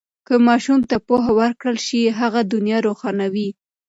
که ماشوم ته پوهه ورکړل شي، هغه دنیا روښانوي.